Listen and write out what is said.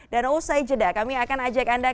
usai jeda kami akan ajak anda